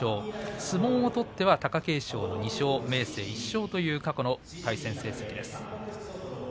相撲を取っては貴景勝２勝、明生１勝という過去の対戦成績です。